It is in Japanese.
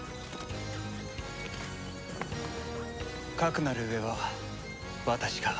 かくなる上は私が。